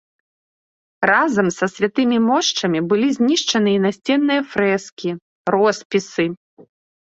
Разам са святымі мошчамі былі знішчаны і насценныя фрэскі, роспісы.